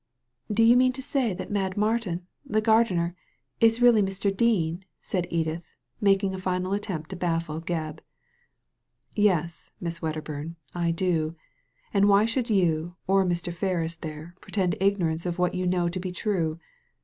"Do you mean to say that Mad Martin, the gardener, is really Mr. Dean ?" said Edith, making a final attempt to baffle Grebb. "Yes, Miss Wedderbum, I do ; and why should you or Mr. Ferris there pretend ignorance of what you know to be true?